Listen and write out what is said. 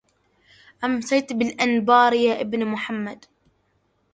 أمسيت بالأنبار يا ابن محمد